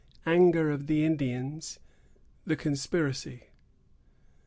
ANGER OF THE INDIANS.——THE CONSPIRACY.